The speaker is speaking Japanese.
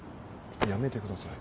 やめてください。